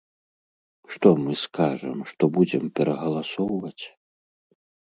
Што мы скажам, што будзем перагаласоўваць?